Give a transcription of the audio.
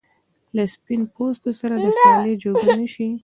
له سپین پوستو سره د سیالۍ جوګه نه شي.